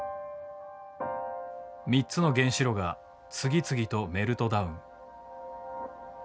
３つの原子炉が次々とメルトダウン。